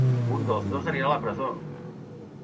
Un dels dos anirà a la presó!